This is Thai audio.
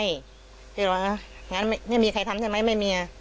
ด้วยเหรองั้นไม่มีใครทำช่างนั้นไหมไม่มีอะ